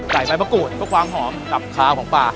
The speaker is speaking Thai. ใส่ไฟประกูดเพราะความหอมกับคาวของปลา